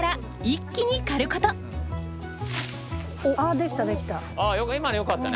あできたできた！